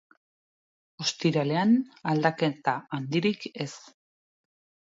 Ostiralean, aldaketa handirik ez.